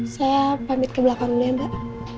saya pamit ke belakang dulu ya mbak